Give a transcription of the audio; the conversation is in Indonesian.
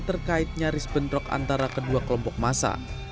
terkait nyaris bentrok antara kedua kelompok massa